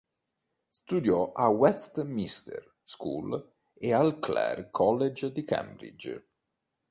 Studiò a Westminster School e al Clare College di Cambridge.